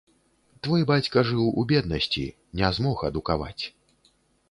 Твой бацька жыў у беднасці, не змог адукаваць.